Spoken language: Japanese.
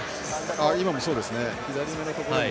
今もそうですね。